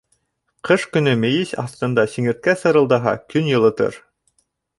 Ҡыш көнө мейес аҫтында сиңерткә сырылдаһа, көн йылытыр.